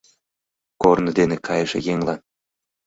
Корно дене кайыше еҥлан